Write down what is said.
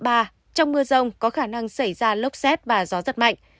trong mưa rông có khả năng xảy ra lốc xét và gió giật mạnh